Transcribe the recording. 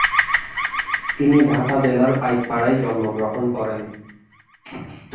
তিনি ঢাকা জেলার পাইকপাড়ায় জন্মগ্রহণ করেন।